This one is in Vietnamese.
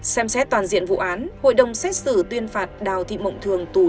xem xét toàn diện vụ án hội đồng xét xử tuyên phạt đào thị mộng thường tù trung tân